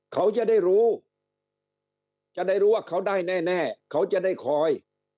เขาจะได้รู้จะได้รู้ว่าเขาได้แน่เขาจะได้คอย